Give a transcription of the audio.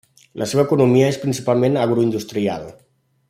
La seva economia és principalment agroindustrial.